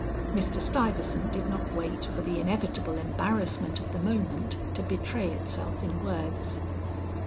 Mr. Stuyvesant did not wait for the inevitable embarrassment of the moment to betray itself in words.